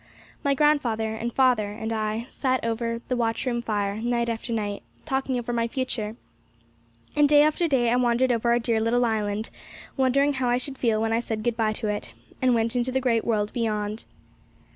My grandfather, and father, and I sat over the watchroom fire, night after night, talking over my future; and day after day I wandered over our dear little island, wondering how I should feel when I said good bye to it, and went into the great world beyond.